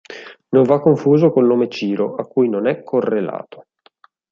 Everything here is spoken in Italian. Non va confuso col nome Ciro, a cui non è correlato.